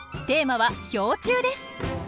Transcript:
テーマは「氷柱」です。